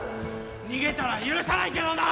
逃げたら許さないけどな！